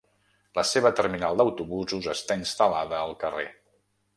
La seva terminal d'autobusos està instal·lada al carrer.